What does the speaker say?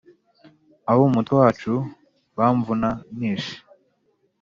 Abo mu mutwe wacu bamvuna nishe